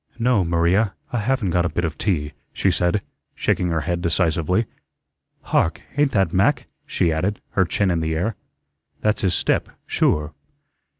"No, Maria, I haven't got a bit of tea," she said, shaking her head decisively. "Hark, ain't that Mac?" she added, her chin in the air. "That's his step, sure."